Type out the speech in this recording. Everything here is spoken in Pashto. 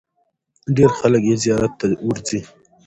ډېر خلک یې زیارت ته ورځي.